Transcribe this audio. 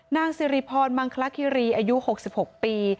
นางสิริพรมังคลคิรีอายุ๖๖ปี